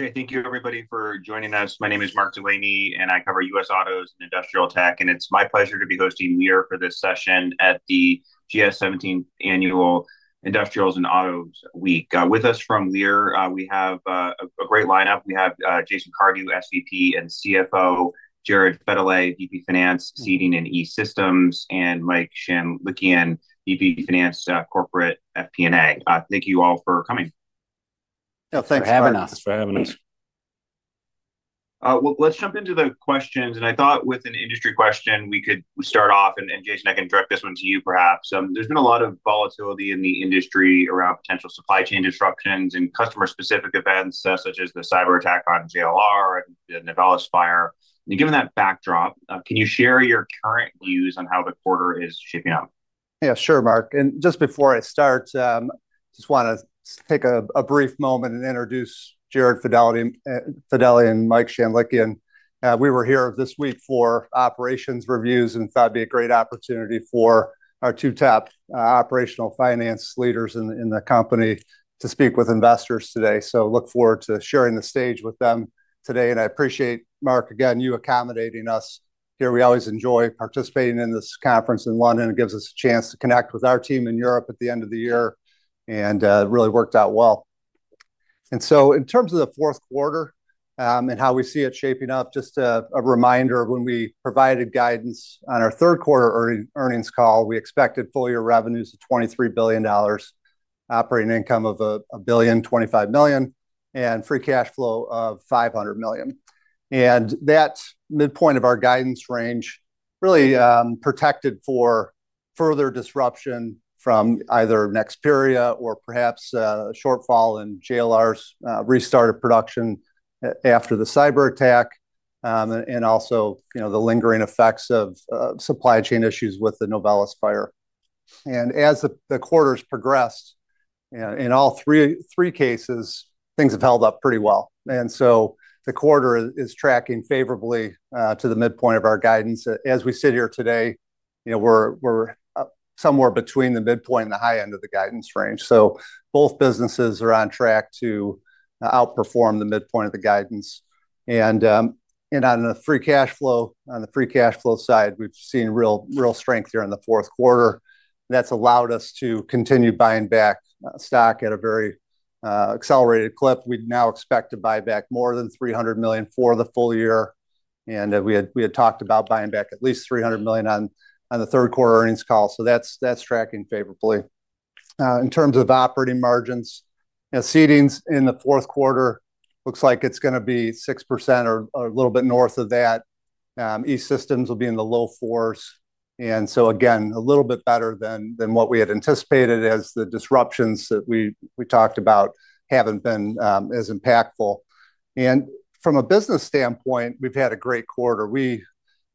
Okay, thank you, everybody, for joining us. My name is Mark Delaney, and I cover U.S. autos and industrial tech. It's my pleasure to be hosting Lear for this session at the GS 17th Annual Industrials and Autos Week. With us from Lear, we have a great lineup. We have Jason Cardew, SVP and CFO, Jared Fedelem, VP Finance, Seating and E-Systems, and Mike Shanlikian, VP Finance, Corporate FP&A. Thank you all for coming. Yeah, thanks for having us. Thanks for having us. Let's jump into the questions. I thought with an industry question, we could start off. Jason, I can direct this one to you, perhaps. There's been a lot of volatility in the industry around potential supply chain disruptions and customer-specific events such as the cyber attack on JLR and the Novelis fire. Given that backdrop, can you share your current views on how the quarter is shaping up? Yeah, sure, Mark. And just before I start, I just want to take a brief moment and introduce Jared Fedelem and Mike Shanlikian. We were here this week for operations reviews, and thought it'd be a great opportunity for our two top operational finance leaders in the company to speak with investors today. So I look forward to sharing the stage with them today. And I appreciate, Mark, again, you accommodating us here. We always enjoy participating in this conference in London. It gives us a chance to connect with our team in Europe at the end of the year, and it really worked out well. And so in terms of the fourth quarter and how we see it shaping up, just a reminder of when we provided guidance on our third quarter earnings call, we expected full-year revenues of $23 billion, operating income of $1.25 billion, and free cash flow of $500 million. And that midpoint of our guidance range really protected for further disruption from either Nexperia or perhaps a shortfall in JLR's restart of production after the cyber attack, and also the lingering effects of supply chain issues with the Novelis fire. And as the quarters progressed, in all three cases, things have held up pretty well. And so the quarter is tracking favorably to the midpoint of our guidance. As we sit here today, we're somewhere between the midpoint and the high end of the guidance range. So both businesses are on track to outperform the midpoint of the guidance. And on the free cash flow, on the free cash flow side, we've seen real strength here in the fourth quarter. That's allowed us to continue buying back stock at a very accelerated clip. We now expect to buy back more than $300 million for the full year. And we had talked about buying back at least $300 million on the third quarter earnings call. So that's tracking favorably. In terms of operating margins, Seating in the fourth quarter looks like it's going to be 6% or a little bit north of that. E-Systems will be in the low fours. And so again, a little bit better than what we had anticipated as the disruptions that we talked about haven't been as impactful. And from a business standpoint, we've had a great quarter. We,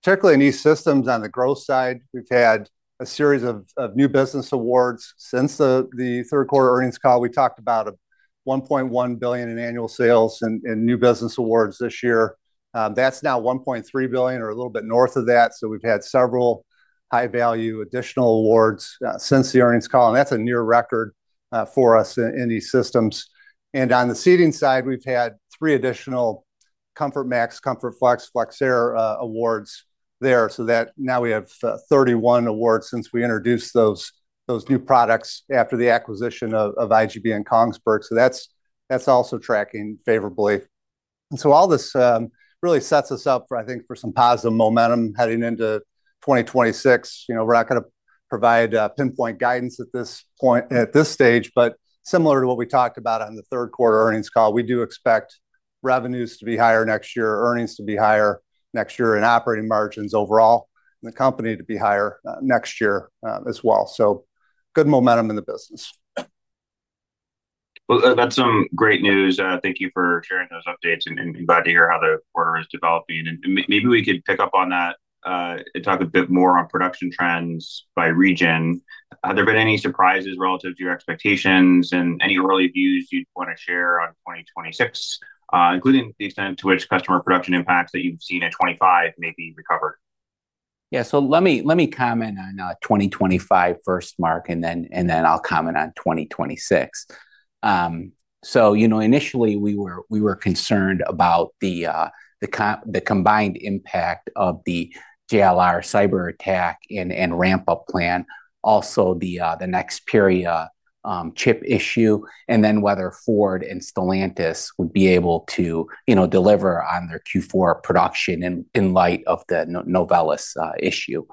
particularly in E-Systems on the growth side, we've had a series of new business awards. Since the third quarter earnings call, we talked about $1.1 billion in annual sales and new business awards this year. That's now $1.3 billion or a little bit north of that, so we've had several high-value additional awards since the earnings call, and that's a near record for us in E-Systems. And on the seating side, we've had three additional ComfortMax, ComfortFlex, FlexAir awards there, so now we have 31 awards since we introduced those new products after the acquisition of IGB and Kongsberg, so that's also tracking favorably, and so all this really sets us up for, I think, for some positive momentum heading into 2026. We're not going to provide pinpoint guidance at this point, at this stage, but similar to what we talked about on the third quarter earnings call, we do expect revenues to be higher next year, earnings to be higher next year, and operating margins overall in the company to be higher next year as well, so good momentum in the business. That's some great news. Thank you for sharing those updates. Glad to hear how the quarter is developing. Maybe we could pick up on that and talk a bit more on production trends by region. Have there been any surprises relative to your expectations and any early views you'd want to share on 2026, including the extent to which customer production impacts that you've seen in 2025 may be recovered? Yeah, so let me comment on 2025 first, Mark, and then I'll comment on 2026. So initially, we were concerned about the combined impact of the JLR cyber attack and ramp-up plan, also the Nexperia chip issue, and then whether Ford and Stellantis would be able to deliver on their Q4 production in light of the Novelis issue.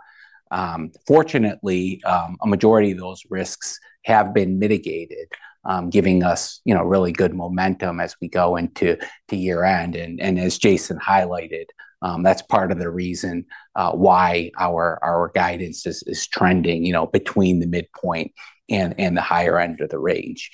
Fortunately, a majority of those risks have been mitigated, giving us really good momentum as we go into year-end. And as Jason highlighted, that's part of the reason why our guidance is trending between the midpoint and the higher end of the range.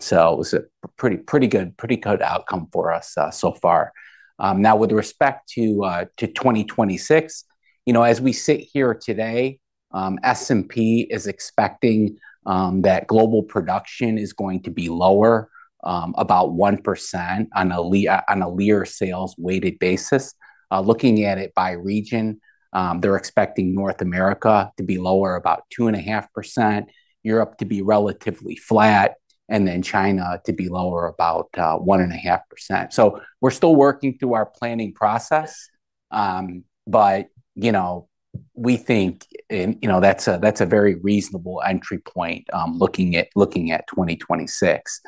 So it was a pretty good outcome for us so far. Now, with respect to 2026, as we sit here today, S&P is expecting that global production is going to be lower, about 1% on a Lear sales-weighted basis. Looking at it by region, they're expecting North America to be lower about 2.5%, Europe to be relatively flat, and then China to be lower about 1.5%. So we're still working through our planning process, but we think that's a very reasonable entry point looking at 2026.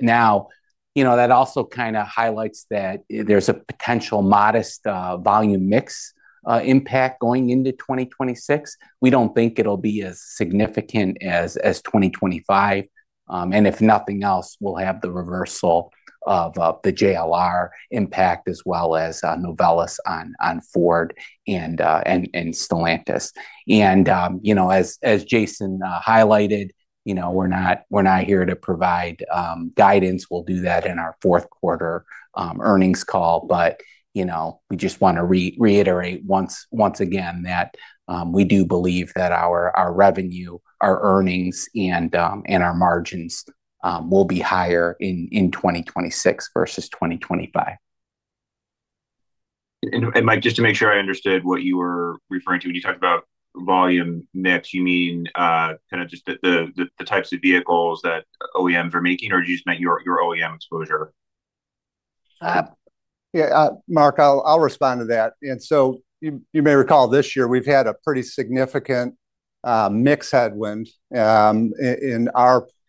Now, that also kind of highlights that there's a potential modest volume mix impact going into 2026. We don't think it'll be as significant as 2025. And if nothing else, we'll have the reversal of the JLR impact as well as Novelis on Ford and Stellantis. And as Jason highlighted, we're not here to provide guidance. We'll do that in our fourth quarter earnings call. But we just want to reiterate once again that we do believe that our revenue, our earnings, and our margins will be higher in 2026 versus 2025. Mike, just to make sure I understood what you were referring to when you talked about volume mix, you mean kind of just the types of vehicles that OEMs are making, or did you just mean your OEM exposure? Yeah, Mark, I'll respond to that. And so you may recall this year, we've had a pretty significant mix headwind on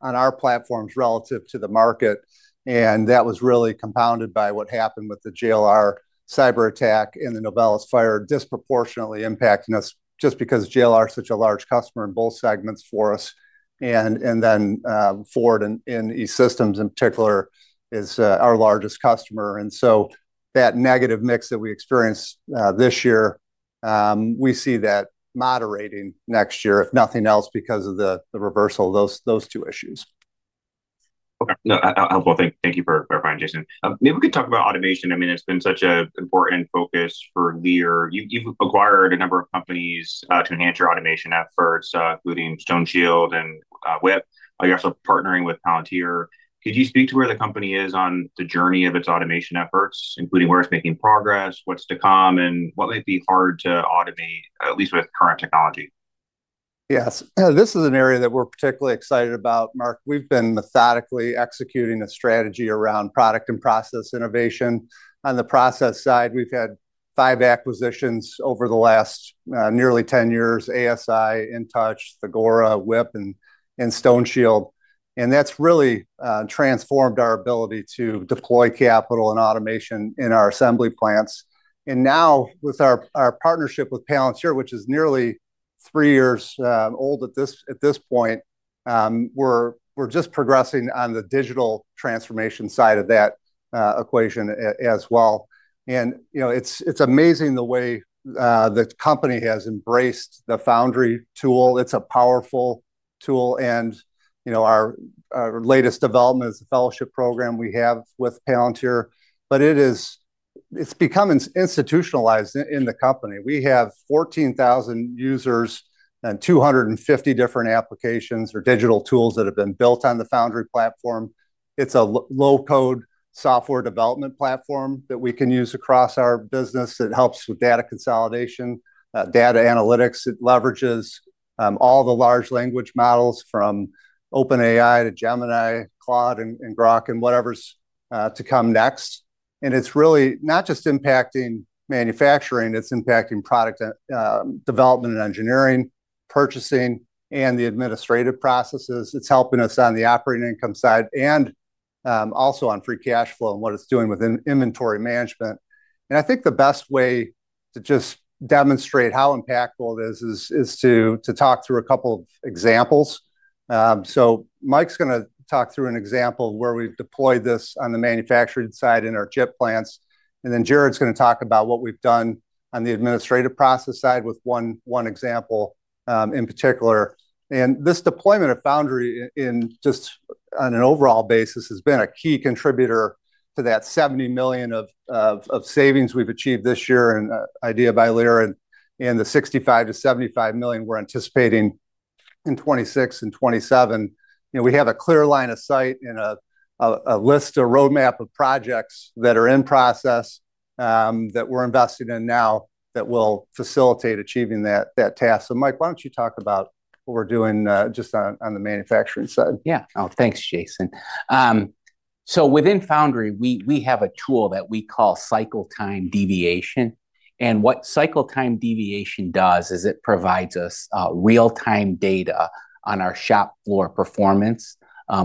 our platforms relative to the market. And that was really compounded by what happened with the JLR cyber attack and the Novelis fire disproportionately impacting us just because JLR is such a large customer in both segments for us. And then Ford and E-Systems in particular is our largest customer. And so that negative mix that we experienced this year, we see that moderating next year, if nothing else, because of the reversal of those two issues. Okay. That's helpful. Thank you for clarifying, Jason. Maybe we could talk about automation. I mean, it's been such an important focus for Lear. You've acquired a number of companies to enhance your automation efforts, including StoneShield and WIP. You're also partnering with Palantir. Could you speak to where the company is on the journey of its automation efforts, including where it's making progress, what's to come, and what might be hard to automate, at least with current technology? Yes. This is an area that we're particularly excited about, Mark. We've been methodically executing a strategy around product and process innovation. On the process side, we've had five acquisitions over the last nearly 10 years: ASI, InTouch, Thagora, WIP, and StoneShield. And that's really transformed our ability to deploy capital and automation in our assembly plants. And now, with our partnership with Palantir, which is nearly three years old at this point, we're just progressing on the digital transformation side of that equation as well. And it's amazing the way the company has embraced the Foundry tool. It's a powerful tool. And our latest development is the fellowship program we have with Palantir. But it's become institutionalized in the company. We have 14,000 users and 250 different applications or digital tools that have been built on the Foundry platform. It's a low-code software development platform that we can use across our business that helps with data consolidation, data analytics. It leverages all the large language models from OpenAI to Gemini, Claude, and Grok, and whatever's to come next, and it's really not just impacting manufacturing. It's impacting product development and engineering, purchasing, and the administrative processes. It's helping us on the operating income side and also on free cash flow and what it's doing with inventory management. I think the best way to just demonstrate how impactful it is is to talk through a couple of examples. Mike's going to talk through an example of where we've deployed this on the manufacturing side in our chip plants. Jared's going to talk about what we've done on the administrative process side with one example in particular. This deployment of Foundry just on an overall basis has been a key contributor to that $70 million of savings we've achieved this year and IDEA by Lear and the $65 million-$75 million we're anticipating in 2026 and 2027. We have a clear line of sight and a list, a roadmap of projects that are in process that we're invested in now that will facilitate achieving that task. Mike, why don't you talk about what we're doing just on the manufacturing side? Yeah. Oh, thanks, Jason. So within Foundry, we have a tool that we call cycle time deviation. And what cycle time deviation does is it provides us real-time data on our shop floor performance,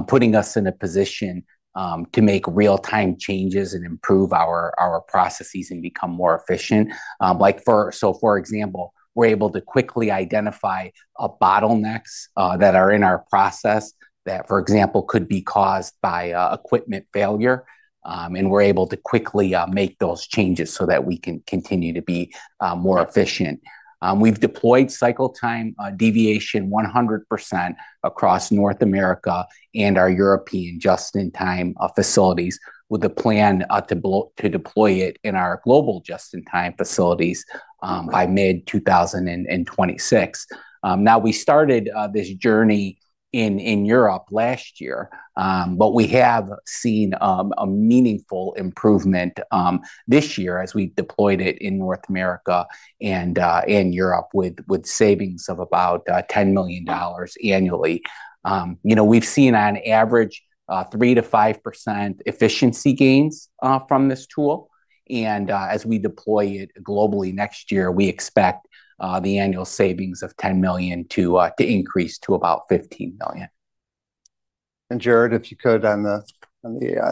putting us in a position to make real-time changes and improve our processes and become more efficient. So for example, we're able to quickly identify bottlenecks that are in our process that, for example, could be caused by equipment failure. And we're able to quickly make those changes so that we can continue to be more efficient. We've deployed cycle time deviation 100% across North America and our European just-in-time facilities with a plan to deploy it in our global just-in-time facilities by mid-2026. Now, we started this journey in Europe last year, but we have seen a meaningful improvement this year as we've deployed it in North America and Europe with savings of about $10 million annually. We've seen on average 3%-5% efficiency gains from this tool, and as we deploy it globally next year, we expect the annual savings of $10 million to increase to about $15 million. Jared, if you could on the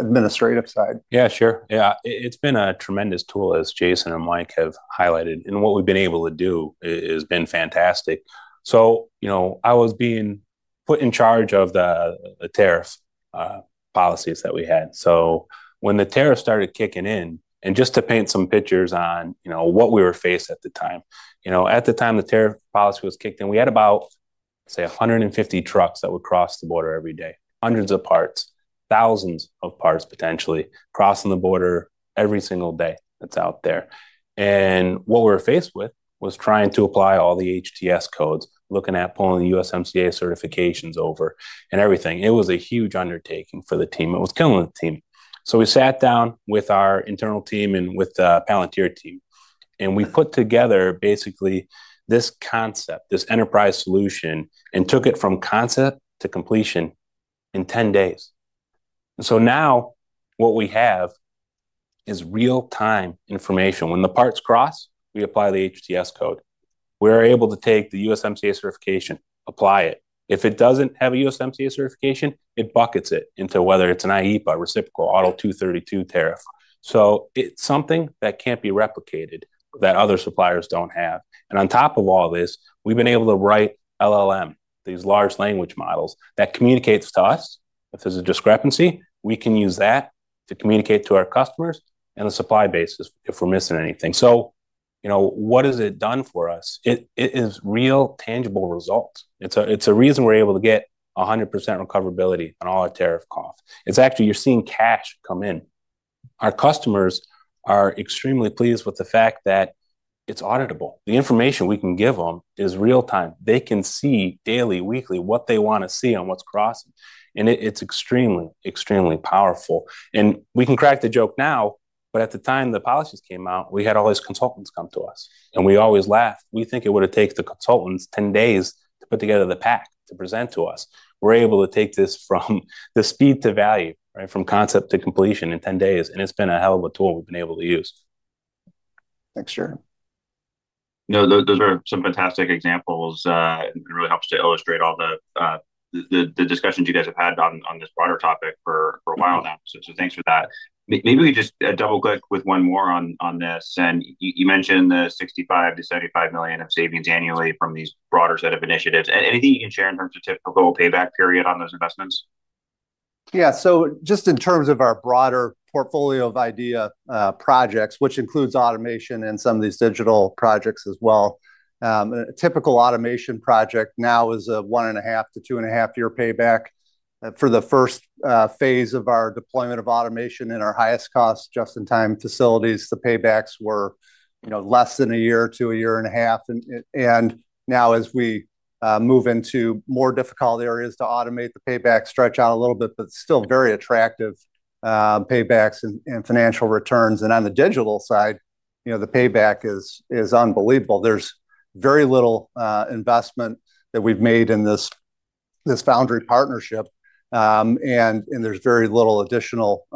administrative side. Yeah, sure. Yeah. It's been a tremendous tool, as Jason and Mike have highlighted. And what we've been able to do has been fantastic. So I was being put in charge of the tariff policies that we had. So when the tariffs started kicking in, and just to paint some pictures on what we were faced with at the time, at the time the tariff policy was kicked in, we had about, say, 150 trucks that would cross the border every day. Hundreds of parts, thousands of parts potentially crossing the border every single day that's out there. And what we were faced with was trying to apply all the HTS codes, looking at pulling the USMCA certifications over and everything. It was a huge undertaking for the team. It was killing the team. So we sat down with our internal team and with the Palantir team. And we put together basically this concept, this enterprise solution, and took it from concept to completion in 10 days. And so now what we have is real-time information. When the parts cross, we apply the HTS code. We're able to take the USMCA certification, apply it. If it doesn't have a USMCA certification, it buckets it into whether it's an IEEPA, reciprocal, or 232 tariff. So it's something that can't be replicated that other suppliers don't have. And on top of all this, we've been able to write LLM, these large language models that communicate to us. If there's a discrepancy, we can use that to communicate to our customers and the supply bases if we're missing anything. So what has it done for us? It is real, tangible results. It's a reason we're able to get 100% recoverability on all our tariff costs. It's actually, you're seeing cash come in. Our customers are extremely pleased with the fact that it's auditable. The information we can give them is real-time. They can see daily, weekly, what they want to see on what's crossing, and it's extremely, extremely powerful. And we can crack the joke now, but at the time the policies came out, we had all these consultants come to us, and we always laugh. We think it would have taken the consultants 10 days to put together the pack to present to us. We're able to take this from the speed to value, from concept to completion in 10 days, and it's been a hell of a tool we've been able to use. Thanks, Jared. No, those are some fantastic examples. It really helps to illustrate all the discussions you guys have had on this broader topic for a while now. So thanks for that. Maybe we just double-click with one more on this. And you mentioned the $65 million-$75 million of savings annually from these broader set of initiatives. Anything you can share in terms of typical payback period on those investments? Yeah. So just in terms of our broader portfolio of Idea projects, which includes automation and some of these digital projects as well, a typical automation project now is a one and a half to two and a half year payback. For the first phase of our deployment of automation in our highest cost, just-in-time facilities, the paybacks were less than a year to a year and a half. Now, as we move into more difficult areas to automate, the paybacks stretch out a little bit, but still very attractive paybacks and financial returns. On the digital side, the payback is unbelievable. There's very little investment that we've made in this Foundry partnership. There's very little additional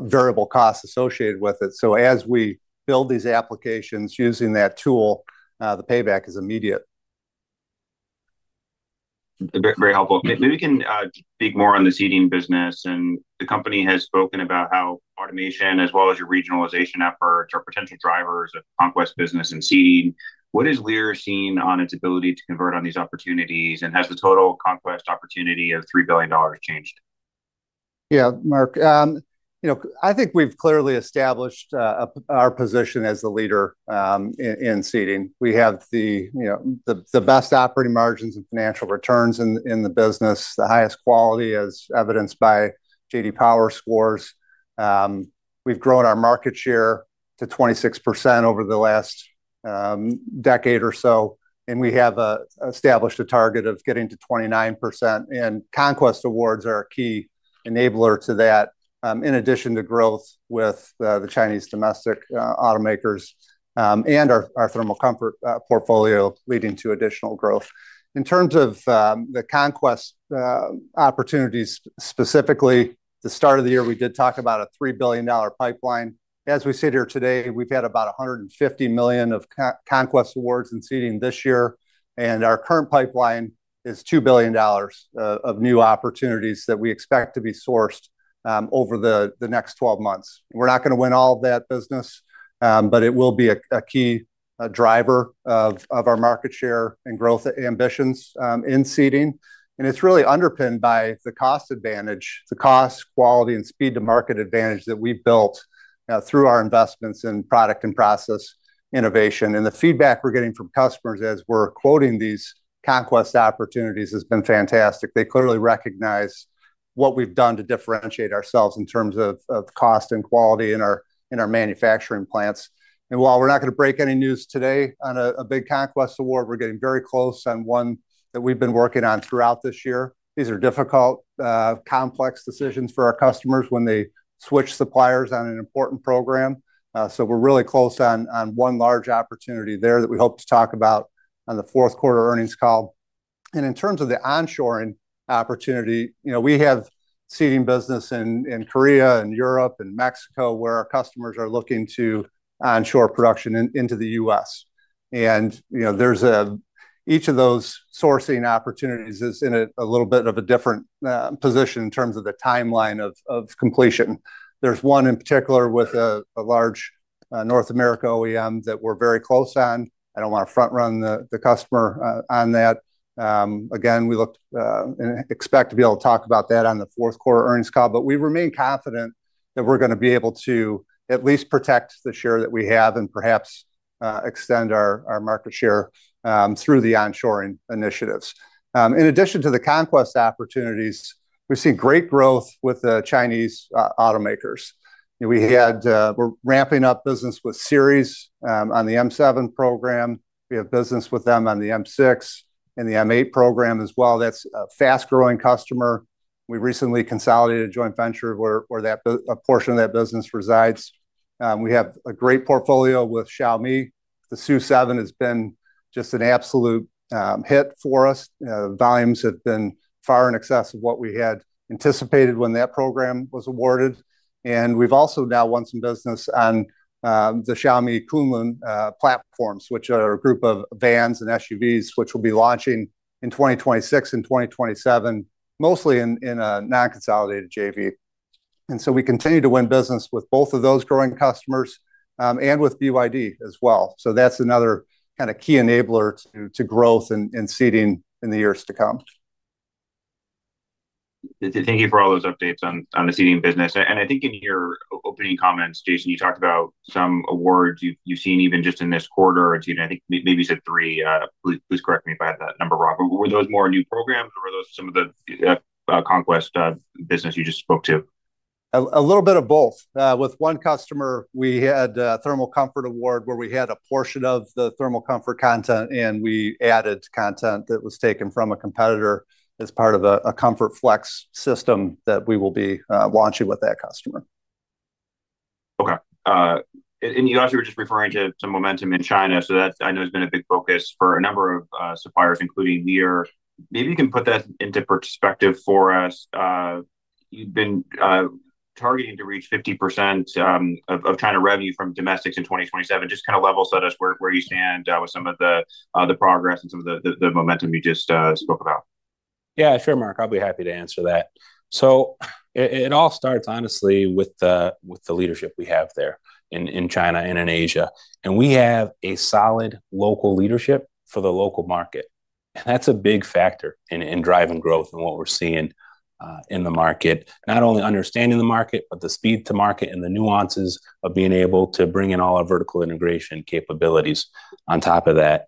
variable cost associated with it. As we build these applications using that tool, the payback is immediate. Very helpful. Maybe we can speak more on the seating business. The company has spoken about how automation, as well as your regionalization efforts, are potential drivers of conquest business and seating. What has Lear seen on its ability to convert on these opportunities? Has the total conquest opportunity of $3 billion changed? Yeah, Mark. I think we've clearly established our position as the leader in seating. We have the best operating margins and financial returns in the business, the highest quality as evidenced by J.D. Power scores. We've grown our market share to 26% over the last decade or so, and we have established a target of getting to 29%. Conquest awards are a key enabler to that, in addition to growth with the Chinese domestic automakers and our thermal comfort portfolio leading to additional growth. In terms of the conquest opportunities, specifically, the start of the year, we did talk about a $3 billion pipeline. As we sit here today, we've had about $150 million of conquest awards and seating this year, and our current pipeline is $2 billion of new opportunities that we expect to be sourced over the next 12 months. We're not going to win all of that business, but it will be a key driver of our market share and growth ambitions in seating. And it's really underpinned by the cost advantage, the cost, quality, and speed to market advantage that we've built through our investments in product and process innovation. And the feedback we're getting from customers as we're quoting these conquest opportunities has been fantastic. They clearly recognize what we've done to differentiate ourselves in terms of cost and quality in our manufacturing plants. And while we're not going to break any news today on a big conquest award, we're getting very close on one that we've been working on throughout this year. These are difficult, complex decisions for our customers when they switch suppliers on an important program. We're really close on one large opportunity there that we hope to talk about on the fourth quarter earnings call. In terms of the onshoring opportunity, we have seating business in Korea and Europe and Mexico where our customers are looking to onshore production into the U.S. Each of those sourcing opportunities is in a little bit of a different position in terms of the timeline of completion. There's one in particular with a large North American OEM that we're very close on. I don't want to front-run the customer on that. Again, we expect to be able to talk about that on the fourth quarter earnings call. We remain confident that we're going to be able to at least protect the share that we have and perhaps extend our market share through the onshoring initiatives. In addition to the conquest opportunities, we've seen great growth with the Chinese automakers. We're ramping up business with Seres on the M7 program. We have business with them on the M6 and the M8 program as well. That's a fast-growing customer. We recently consolidated a joint venture where a portion of that business resides. We have a great portfolio with Xiaomi. The SU7 has been just an absolute hit for us. Volumes have been far in excess of what we had anticipated when that program was awarded. And we've also now won some business on the Xiaomi Kunlun platforms, which are a group of vans and SUVs, which we'll be launching in 2026 and 2027, mostly in a non-consolidated JV. And so we continue to win business with both of those growing customers and with BYD as well. So that's another kind of key enabler to growth and seating in the years to come. Thank you for all those updates on the seating business, and I think in your opening comments, Jason, you talked about some awards you've seen even just in this quarter. I think maybe you said three. Please correct me if I had that number wrong. Were those more new programs or were those some of the conquest business you just spoke to? A little bit of both. With one customer, we had a thermal comfort award where we had a portion of the thermal comfort content, and we added content that was taken from a competitor as part of a ComfortFlex system that we will be launching with that customer. Okay. And you also were just referring to momentum in China. So that, I know, has been a big focus for a number of suppliers, including Lear. Maybe you can put that into perspective for us. You've been targeting to reach 50% of China revenue from domestics in 2027. Just kind of level set us where you stand with some of the progress and some of the momentum you just spoke about. Yeah, sure, Mark. I'll be happy to answer that. So it all starts, honestly, with the leadership we have there in China and in Asia. And we have a solid local leadership for the local market. And that's a big factor in driving growth and what we're seeing in the market, not only understanding the market, but the speed to market and the nuances of being able to bring in all our vertical integration capabilities on top of that.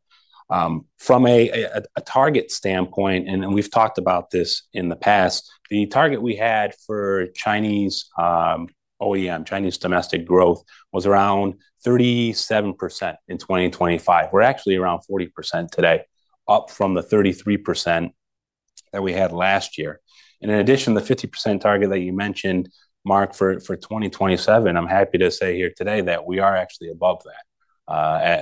From a target standpoint, and we've talked about this in the past, the target we had for Chinese OEM, Chinese domestic growth, was around 37% in 2025. We're actually around 40% today, up from the 33% that we had last year. And in addition, the 50% target that you mentioned, Mark, for 2027, I'm happy to say here today that we are actually above that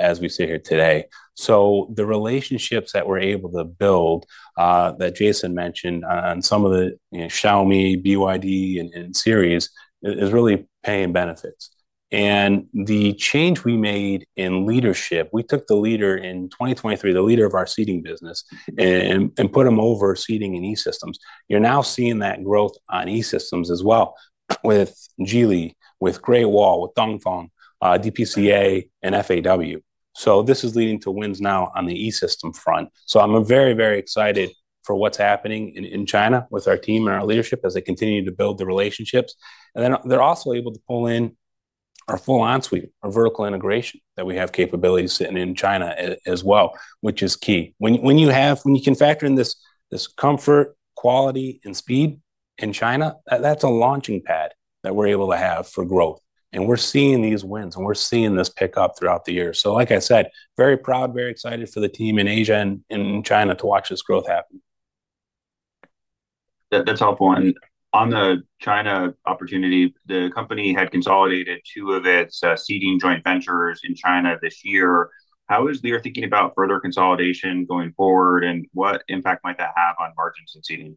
as we sit here today. The relationships that we're able to build that Jason mentioned on some of the Xiaomi, BYD, and Seres are really paying benefits. The change we made in leadership, we took the leader in 2023, the leader of our seating business, and put him over seating in E-Systems. You're now seeing that growth on E-Systems as well with Geely, with Great Wall, with Dongfeng, DPCA, and FAW. This is leading to wins now on the eSystem front. I'm very, very excited for what's happening in China with our team and our leadership as they continue to build the relationships. Then they're also able to pull in our full on-site or vertical integration that we have capabilities sitting in China as well, which is key. When you can factor in this comfort, quality, and speed in China, that's a launching pad that we're able to have for growth. We're seeing these wins, and we're seeing this pick up throughout the year. Like I said, very proud, very excited for the team in Asia and in China to watch this growth happen. That's helpful, and on the China opportunity, the company had consolidated two of its seating joint ventures in China this year. How is Lear thinking about further consolidation going forward, and what impact might that have on margins and seating?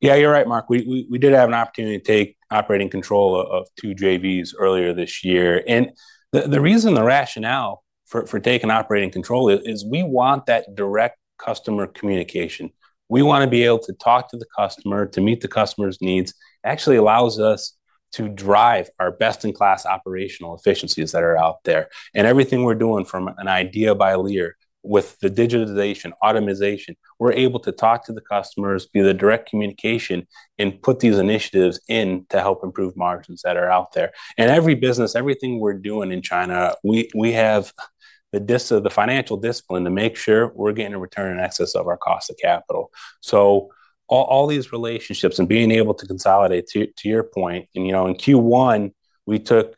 Yeah, you're right, Mark. We did have an opportunity to take operating control of two JVs earlier this year, and the reason, the rationale for taking operating control is we want that direct customer communication. We want to be able to talk to the customer, to meet the customer's needs. It actually allows us to drive our best-in-class operational efficiencies that are out there, and everything we're doing from an IDEA by Lear with the digitization, automation, we're able to talk to the customers, be the direct communication, and put these initiatives in to help improve margins that are out there, and every business, everything we're doing in China, we have the financial discipline to make sure we're getting a return in excess of our cost of capital. All these relationships and being able to consolidate, to your point, in Q1, we took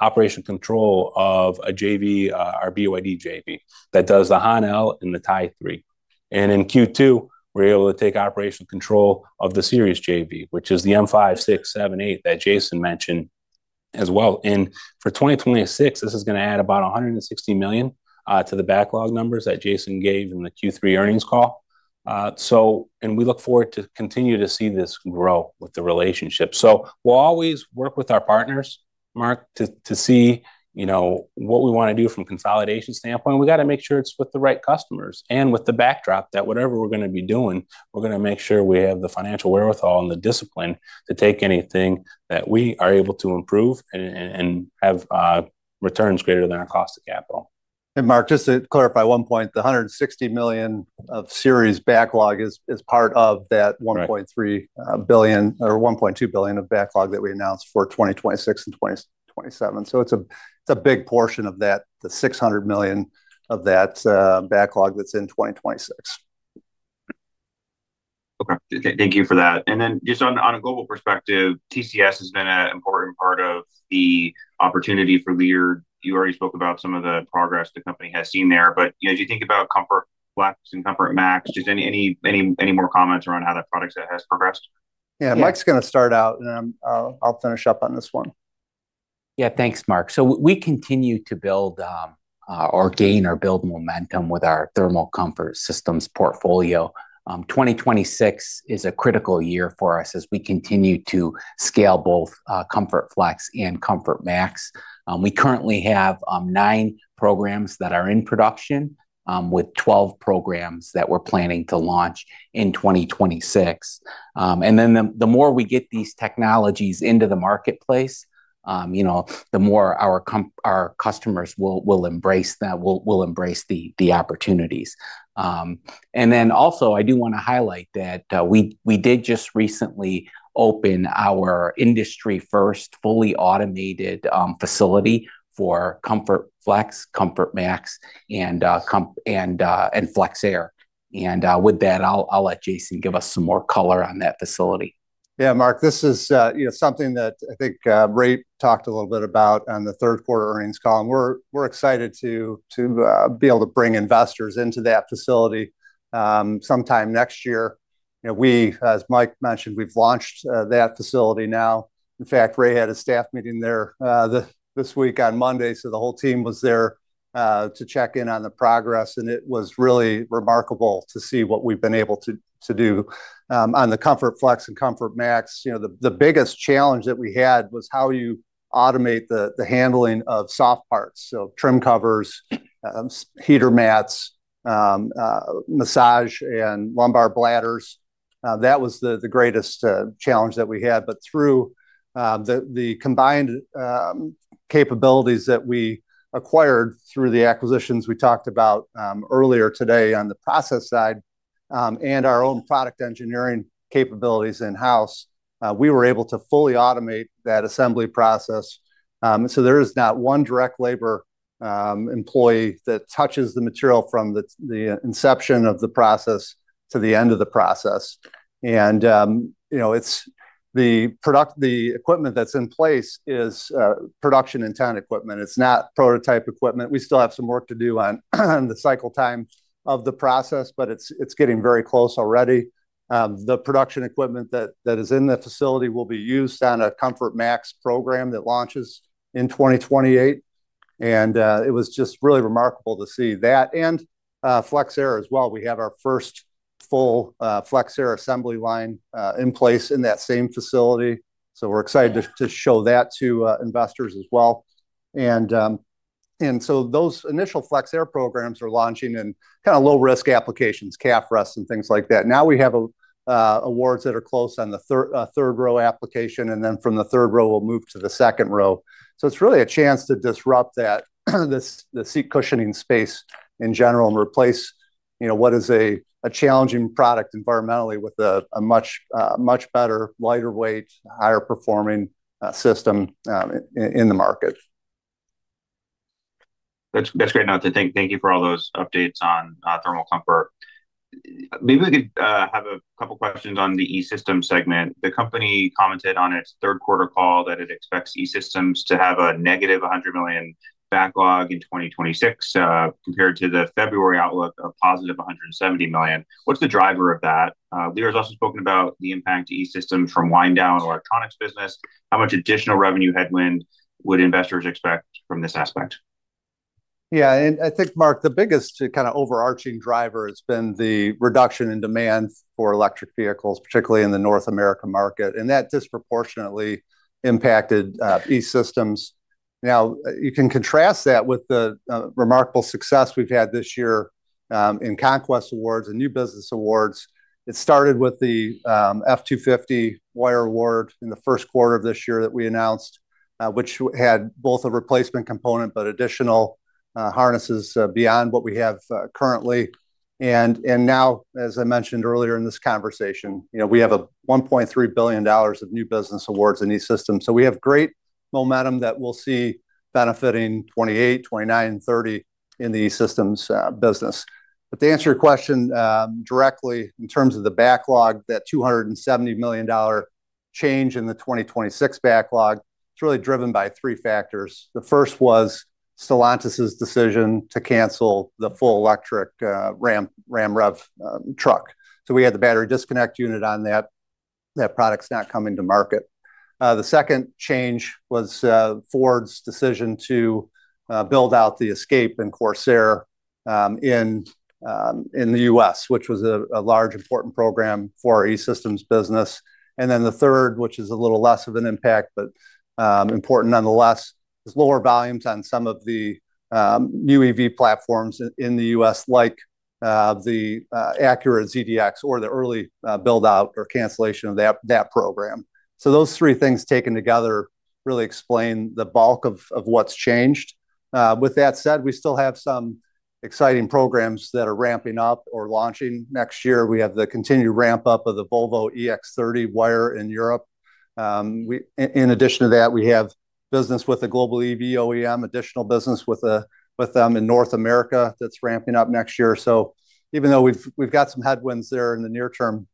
operational control of a JV, our BYD JV that does the Han L and the Tang 3. In Q2, we're able to take operational control of the Seres JV, which is the M5, 6, 7, 8 that Jason mentioned as well. For 2026, this is going to add about $160 million to the backlog numbers that Jason gave in the Q3 earnings call. We look forward to continue to see this grow with the relationship. We'll always work with our partners, Mark, to see what we want to do from a consolidation standpoint. We got to make sure it's with the right customers and with the backdrop that whatever we're going to be doing, we're going to make sure we have the financial wherewithal and the discipline to take anything that we are able to improve and have returns greater than our cost of capital. Mark, just to clarify one point, the $160 million of Seres backlog is part of that $1.3 billion or $1.2 billion of backlog that we announced for 2026 and 2027. It is a big portion of that, the $600 million of that backlog that's in 2026. Okay. Thank you for that. And then just on a global perspective, TCS has been an important part of the opportunity for Lear. You already spoke about some of the progress the company has seen there. But as you think about ComfortFlex and ComfortMax, just any more comments around how that product has progressed? Yeah, Mike's going to start out, and I'll finish up on this one. Yeah, thanks, Mark. So we continue to build or gain or build momentum with our thermal comfort systems portfolio. 2026 is a critical year for us as we continue to scale both ComfortFlex and ComfortMax. We currently have nine programs that are in production with 12 programs that we're planning to launch in 2026. And then the more we get these technologies into the marketplace, the more our customers will embrace the opportunities. And then also, I do want to highlight that we did just recently open our industry-first fully automated facility for ComfortFlex, ComfortMax, and FlexAir. And with that, I'll let Jason give us some more color on that facility. Yeah, Mark, this is something that I think Ray talked a little bit about on the third quarter earnings call. We're excited to be able to bring investors into that facility sometime next year. We, as Mike mentioned, we've launched that facility now. In fact, Ray had a staff meeting there this week on Monday. So the whole team was there to check in on the progress. It was really remarkable to see what we've been able to do on the ComfortFlex and ComfortMax. The biggest challenge that we had was how you automate the handling of soft parts. So trim covers, heater mats, massage, and lumbar bladders. That was the greatest challenge that we had. But through the combined capabilities that we acquired through the acquisitions we talked about earlier today on the process side and our own product engineering capabilities in-house, we were able to fully automate that assembly process. So there is not one direct labor employee that touches the material from the inception of the process to the end of the process. And the equipment that's in place is production intent equipment. It's not prototype equipment. We still have some work to do on the cycle time of the process, but it's getting very close already. The production equipment that is in the facility will be used on a ComfortMax program that launches in 2028. And it was just really remarkable to see that. And FlexAir as well. We have our first full FlexAir assembly line in place in that same facility. So we're excited to show that to investors as well. And so those initial FlexAir programs are launching in kind of low-risk applications, calf rest and things like that. Now we have awards that are close on the third row application. And then from the third row, we'll move to the second row. So it's really a chance to disrupt the seat cushioning space in general and replace what is a challenging product environmentally with a much better, lighter weight, higher performing system in the market. That's great, not to think. Thank you for all those updates on thermal comfort. Maybe we could have a couple of questions on the E-Systems segment. The company commented on its third quarter call that it expects E-Systems to have a negative $100 million backlog in 2026 compared to the February outlook of positive $170 million. What's the driver of that? Lear has also spoken about the impact to E-Systems from wind down electronics business. How much additional revenue headwind would investors expect from this aspect? Yeah. I think, Mark, the biggest kind of overarching driver has been the reduction in demand for electric vehicles, particularly in the North America market. That disproportionately impacted E-Systems. Now, you can contrast that with the remarkable success we've had this year in Conquest Awards and New Business Awards. It started with the F-250 Wire Award in the first quarter of this year that we announced, which had both a replacement component, but additional harnesses beyond what we have currently. Now, as I mentioned earlier in this conversation, we have a $1.3 billion of new business awards in E-Systems. So we have great momentum that we'll see benefiting 2028, 2029, and 2030 in the E-Systems business. To answer your question directly, in terms of the backlog, that $270 million change in the 2026 backlog, it's really driven by three factors. The first was Stellantis's decision to cancel the full electric Ram REV truck. So we had the battery disconnect unit on that. That product's not coming to market. The second change was Ford's decision to build out the Escape and Corsair in the U.S., which was a large important program for our E-Systems business. And then the third, which is a little less of an impact, but important nonetheless, is lower volumes on some of the new EV platforms in the U.S., like the Acura ZDX or the early build-out or cancellation of that program. So those three things taken together really explain the bulk of what's changed. With that said, we still have some exciting programs that are ramping up or launching next year. We have the continued ramp-up of the Volvo EX30 Wire in Europe. In addition to that, we have business with a global EV OEM, additional business with them in North America that's ramping up next year, so even though we've got some headwinds there in the near term,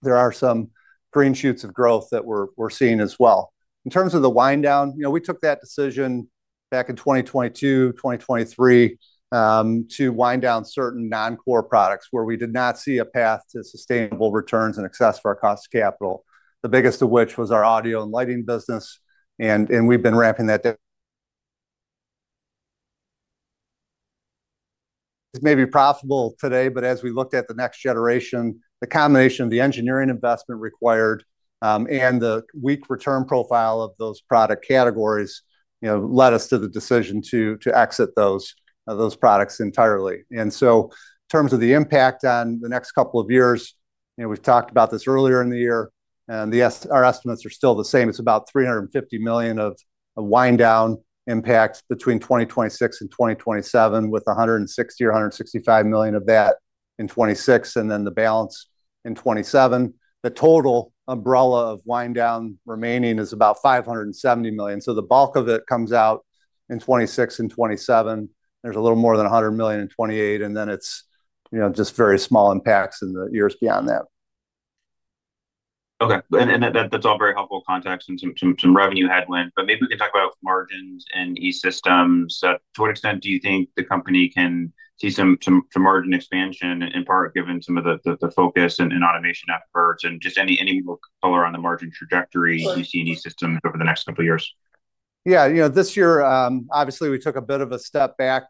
there are some green shoots of growth that we're seeing as well. In terms of the wind down, we took that decision back in 2022, 2023 to wind down certain non-core products where we did not see a path to sustainable returns and excess for our cost of capital, the biggest of which was our audio and lighting business, and we've been ramping that down. It's maybe profitable today, but as we looked at the next generation, the combination of the engineering investment required and the weak return profile of those product categories led us to the decision to exit those products entirely. In terms of the impact on the next couple of years, we've talked about this earlier in the year. Our estimates are still the same. It's about $350 million of wind down impact between 2026 and 2027, with $160 million or $165 million of that in 2026 and then the balance in 2027. The total umbrella of wind down remaining is about $570 million. The bulk of it comes out in 2026 and 2027. There's a little more than $100 million in 2028. Then it's just very small impacts in the years beyond that. Okay. And that's all very helpful context and some revenue headwinds. But maybe we can talk about margins and E-Systems. To what extent do you think the company can see some margin expansion, in part given some of the focus and automation efforts and just any more color on the margin trajectory you see in E-Systems over the next couple of years? Yeah. This year, obviously, we took a bit of a step back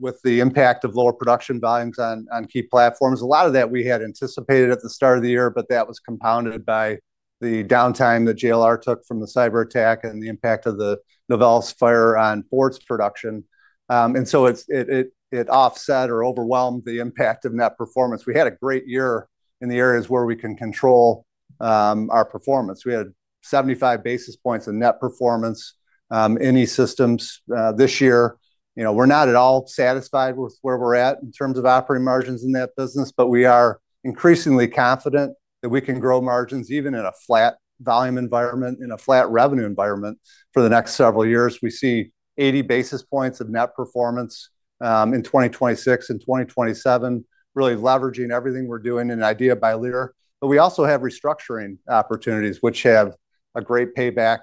with the impact of lower production volumes on key platforms. A lot of that we had anticipated at the start of the year, but that was compounded by the downtime that JLR took from the cyber attack and the impact of the Novelis fire on Ford's production. And so it offset or overwhelmed the impact of net performance. We had a great year in the areas where we can control our performance. We had 75 basis points of net performance in E-Systems this year. We're not at all satisfied with where we're at in terms of operating margins in that business, but we are increasingly confident that we can grow margins even in a flat volume environment, in a flat revenue environment for the next several years. We see 80 basis points of net performance in 2026 and 2027, really leveraging everything we're doing and IDEA by Lear. But we also have restructuring opportunities, which have a great payback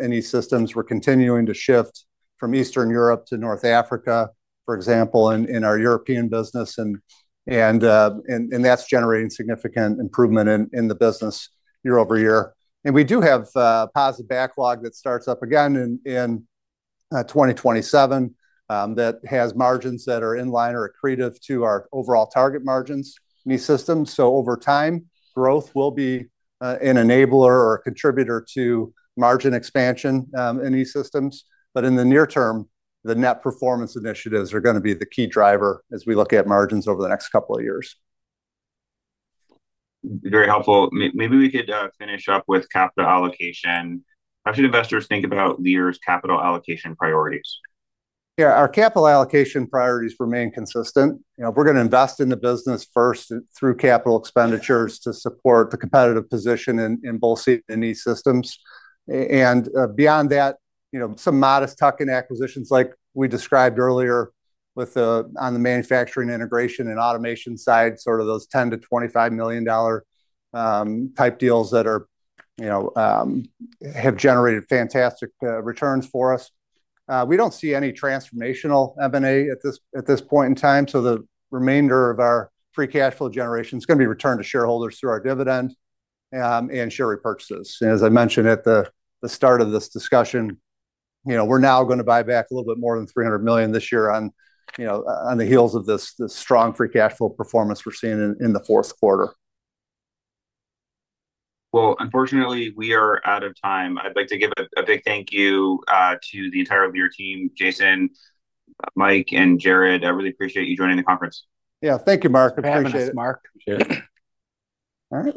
in E-Systems. We're continuing to shift from Eastern Europe to North Africa, for example, in our European business. And that's generating significant improvement in the business year over year. And we do have a positive backlog that starts up again in 2027 that has margins that are in line or accretive to our overall target margins in E-Systems. So over time, growth will be an enabler or a contributor to margin expansion in E-Systems. But in the near term, the net performance initiatives are going to be the key driver as we look at margins over the next couple of years. Very helpful. Maybe we could finish up with capital allocation. How should investors think about Lear's capital allocation priorities? Yeah. Our capital allocation priorities remain consistent. We're going to invest in the business first through capital expenditures to support the competitive position in both seat and E-Systems. And beyond that, some modest tuck-in acquisitions like we described earlier on the manufacturing integration and automation side, sort of those $10-$25 million type deals that have generated fantastic returns for us. We don't see any transformational M&A at this point in time. So the remainder of our free cash flow generation is going to be returned to shareholders through our dividend and share repurchases. And as I mentioned at the start of this discussion, we're now going to buy back a little bit more than $300 million this year on the heels of this strong free cash flow performance we're seeing in the fourth quarter. Unfortunately, we are out of time. I'd like to give a big thank you to the entire Lear team, Jason, Mike, and Jared. I really appreciate you joining the conference. Yeah. Thank you, Mark. Appreciate it. Appreciate it. All right.